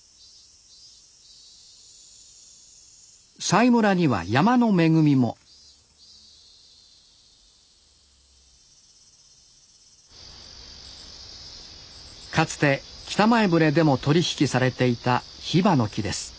佐井村には山の恵みもかつて北前船でも取り引きされていたヒバの木です。